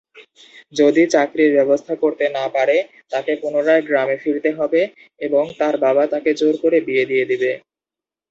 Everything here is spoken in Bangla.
যদি চাকরির ব্যবস্থা করতে না পারে তাকে পুনরায় গ্রামে ফিরতে হবে এবং তার বাবা তাকে জোর করে বিয়ে দিয়ে দিবে।